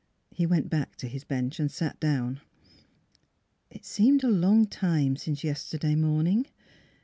He went back to his bench and sat down. It seemed a long time since yesterday morning.